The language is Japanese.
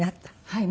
はい。